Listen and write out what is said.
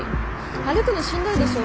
歩くのしんどいでしょ。